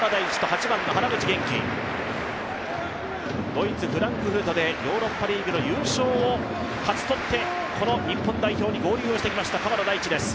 ドイツ、フランクフルトでヨーロッパリーグの優勝を勝ち取ってこの日本代表にゴールをしてきました、鎌田大地です。